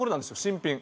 新品。